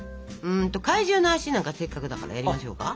怪獣の足なんかせっかくだからやりましょうか？